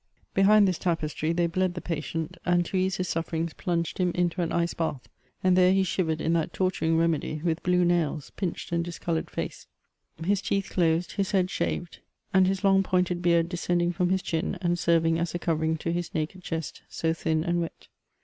Behind this tapestry they bled the patient, and to ease his sufferings, plunged him into an ice bath ; and there he shivered in that torturing remedy, with blue nails, pinched and discoloured face, his teeth closed, his head shaved, and his long, pointed beard descending from his chin, and serving as a covering to his naked chest, so thin and wet.